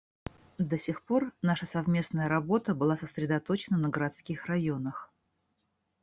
До сих пор наша совместная работа была сосредоточена на городских районах.